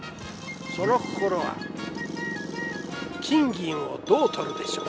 その心は、金銀をどうとるでしょう。